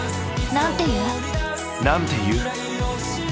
なんて言う？